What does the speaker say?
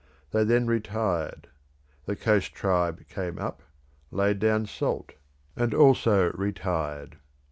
They then retired; the coast tribe came up, laid down salt, and also retired.